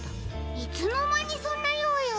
いつのまにそんなよういを？